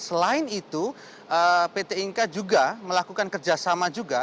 selain itu pt inka juga melakukan kerjasama juga